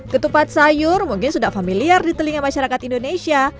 ketupat sayur mungkin sudah familiar di telinga masyarakat indonesia